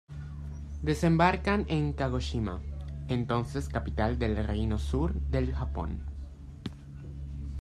Desembarcan en Kagoshima, entonces capital del reino Sur del Japón.